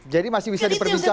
jadi masih bisa diperbincangkan